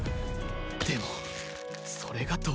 でもそれがどうした？